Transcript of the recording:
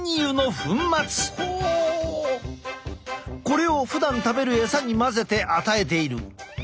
これをふだん食べる餌に混ぜて与えている。